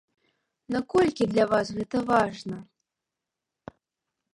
Наколькі для вас гэта важна?